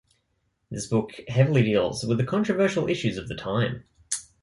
This book heavily deals with the controversial issues of the time.